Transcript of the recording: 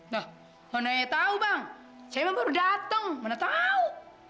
nah mana yang tahu bang saya baru datang mana tahu